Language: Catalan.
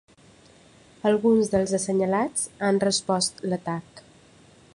Alguns dels assenyalats han respost l’atac.